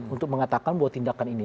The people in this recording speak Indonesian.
untuk mengatakan bahwa tindakan ini